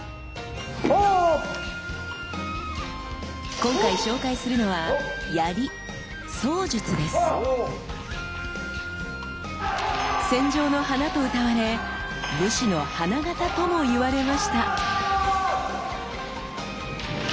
今回紹介するのは槍戦場の華とうたわれ武士の花形とも言われました！